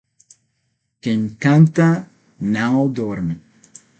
Quem canta não dorme